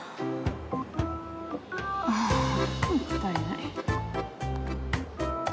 あーあもったいない。